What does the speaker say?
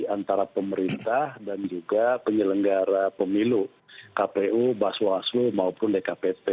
antara pemerintah dan juga penyelenggara pemilu kpu basu basu maupun dkpt